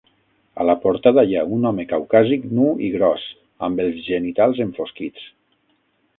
A la portada hi ha un home caucàsic nu i gros, amb els genitals enfosquits.